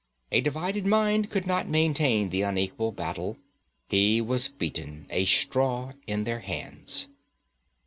A divided mind could not maintain the unequal battle. He was beaten, a straw in their hands.